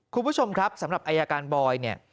คุณผู้ชมครับสำหรับอายการบอยเนี่ย